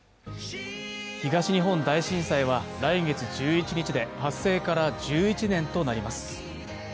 東日本大震災は来月１１日で発生から１１年となります。